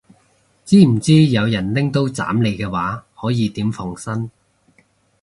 知唔知有人拎刀斬你嘅話可以點防身